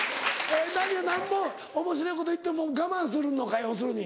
なんぼおもしろいこと言っても我慢するのか要するに。